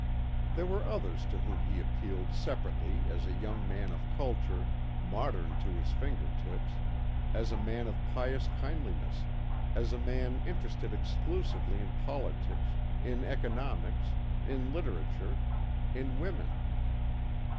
There were others to whom he appealed separately as a young man of culture, modern to his finger tips; as a man of pious kindliness; as a man interested exclusively in politics, in economics, in literature, in women.